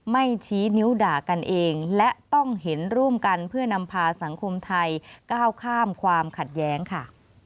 ไม่ชี้นิ้วด่ากันเองและต้องเห็นร่วมกันเพื่อนำพาสังคมไทยก้าวข้ามความขัดแย้งค่ะ